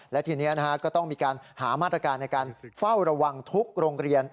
และทีนี้ก็ต้องมีการหามาตรการในการเฝ้าระวังทุกโรงเรียน